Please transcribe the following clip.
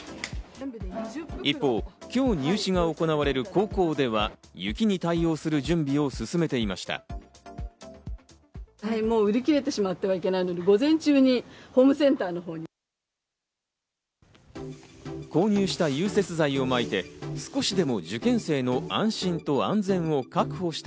一方、今日入試が行われる高校では、雪に対する準備を進めていました。